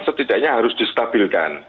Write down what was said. setidaknya harus distabilkan